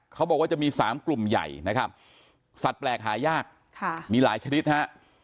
เขาบอกว่าจะมี๓กลุ่มใหญ่นะครับสัตว์แปลกหายากมีหลายชนิดฮะ